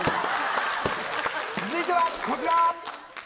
続いてはこちら！